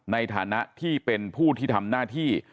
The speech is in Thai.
ในฐานะที่เป็นผู้ที่ทำหน้าที่